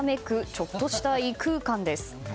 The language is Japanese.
ちょっとした異空間です。